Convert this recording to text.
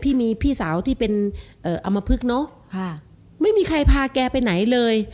พี่มีพี่สาวที่เป็นเอ่ออำมพลึกเนอะค่ะไม่มีใครพาแกไปไหนเลย